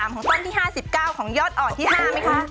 ของต้นที่๕๙ของยอดอ่อนที่๕ไหมคะ